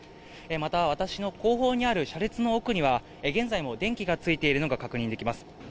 また、私の後方にある車列の奥には、現在も電気がついているのが確認できます。